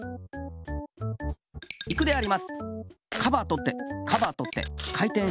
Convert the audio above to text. いくであります。